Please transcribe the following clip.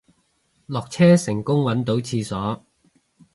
落車成功搵到廁所